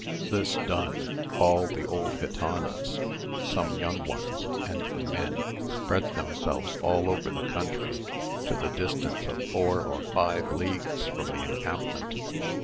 This done, all the old gitanas, some young ones, and the men, spread themselves all over the country, to the distance of four or five leagues from the encampment.